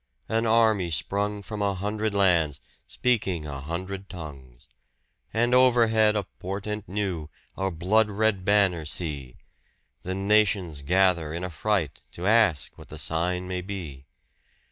An army sprung from a hundred lands, speaking a hundred tongues! And overhead a portent new, a blood red banner see! The nations gather in affright to ask what the sign may be.